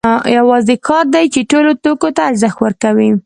یوازې کار دی چې ټولو توکو ته ارزښت ورکوي